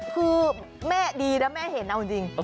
คือแม่ดีนะแม่เห็นเอาจริง